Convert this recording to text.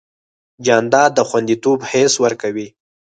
جانداد د خوندیتوب حس ورکوي.